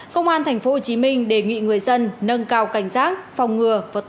công an tp hcm đề nghị người dân nâng cao cảnh giác phòng ngừa